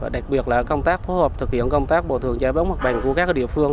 đặc biệt là công tác phối hợp thực hiện công tác bồi thường giải bóng mặt bành của các địa phương